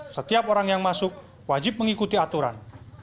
setiap orang yang masuk wajib mengikuti aturan